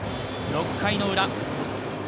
６回の裏。